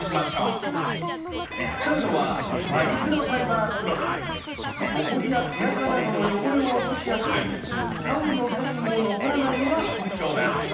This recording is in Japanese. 使うのはほこりや手あかなどの汚れを落としやすくタオルの繊維も残らないのが特徴です。